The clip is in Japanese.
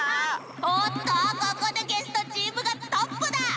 おっとここでゲストチームがトップだ！